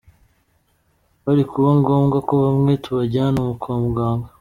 Biri kuba ngombwa ko bamwe tubajyana kwa muganga.